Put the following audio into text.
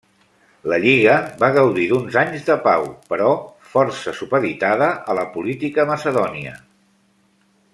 La lliga va gaudir d'uns anys de pau, però força supeditada a la política macedònia.